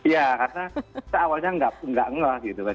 ya karena kita awalnya gak ngelah gitu kan